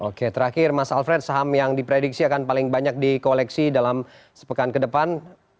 oke terakhir mas alfred saham yang diprediksi akan paling banyak di koleksi dalam sepekan ke depan